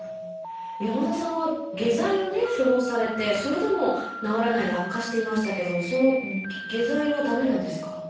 山田さんは下剤を処方されてそれでも治らないで悪化していましたけれどもその下剤は駄目なんですか？